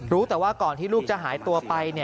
รู้แต่ว่าก่อนที่ลูกจะหายตัวไป